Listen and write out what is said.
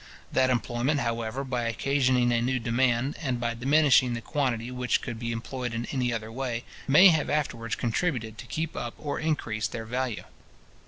That employment, however, by occasioning a new demand, and by diminishing the quantity which could be employed in any other way, may have afterwards contributed to keep up or increase their value.